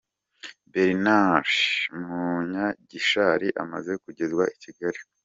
Bernard Munyagishari amaze kugezwa i Kigali.